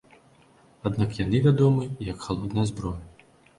Аднак яны вядомы і як халодная зброя.